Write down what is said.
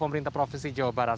pemerintah provinsi jawa barat